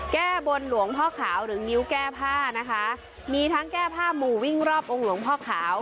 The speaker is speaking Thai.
แก้บนหลวงพ่อขาวหรืองิ้วแก้ผ้านะคะมีทั้งแก้ผ้าหมู่วิ่งรอบองค์หลวงพ่อขาว